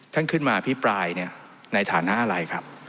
ท่านขึ้นมาอภิปรายเนี่ยในฐานะอะไรครับ